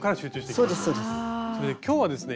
それで今日はですね